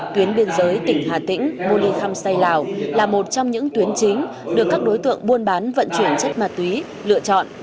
tuyến biên giới tỉnh hà tĩnh municham say lào là một trong những tuyến chính được các đối tượng buôn bán vận chuyển chất ma túy lựa chọn